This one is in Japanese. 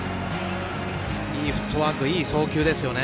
いいフットワークいい送球ですよね。